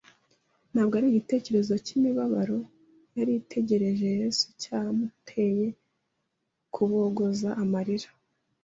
Ntabwo ari igitekerezo cy'imibabaro yari itegereje YesuCyamute ye kubogoza amarira.